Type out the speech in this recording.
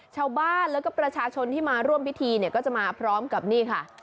ชาวบ้านแล้วก็ประชาชนที่มาร่วมพิธีเนี่ยก็จะมาพร้อมกับนี่ค่ะ